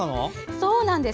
そうなんです！